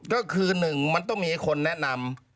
ก็คือหนึ่งมันต้องมีคนแนะนำ